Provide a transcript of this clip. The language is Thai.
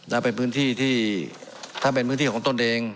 แล้วเป็นพื้นที่ที่ถ้าเป็นพื้นที่ของตนเอง